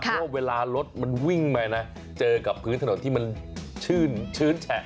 เพราะว่าเวลารถมันวิ่งไปนะเจอกับพื้นถนนที่มันชื้นแฉะ